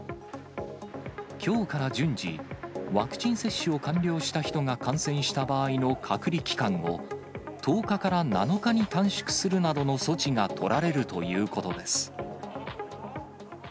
きょうから順次、ワクチン接種を完了した人が感染した場合の隔離期間を、１０日から７日に短縮するなどの措置が取られるということです。